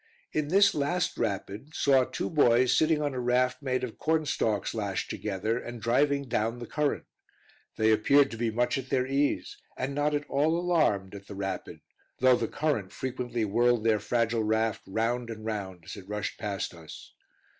In this last rapid saw two boys sitting on a raft made of cornstalks lashed together, and driving down the current. They appeared to be much at their ease, and not at all alarmed at the rapid, though the current frequently whirled their fragile raft round and round as it rushed past us.